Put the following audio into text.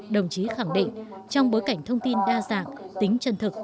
đồng chí khẳng định trong bối cảnh thông tin đa dạng tính chân thực